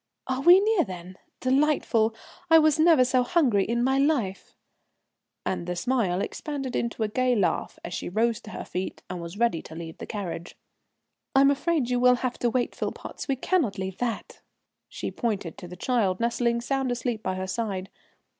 "Are we near then? Delightful! I never was so hungry in my life," and the smile expanded into a gay laugh as she rose to her feet and was ready to leave the carriage. "I'm afraid you will have to wait, Philpotts, we cannot leave that," she pointed to the child nestling sound asleep by her side.